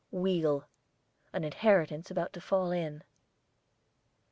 WHEEL, an inheritance about to fall in.